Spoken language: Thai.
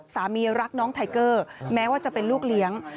รักน้องไทเกอร์แม้ว่าจะเป็นลูกเลี้ยง